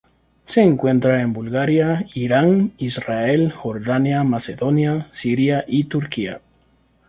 Se encuentra en Bulgaria, Irán, Israel, Jordania, Macedonia, Siria, y Turquía.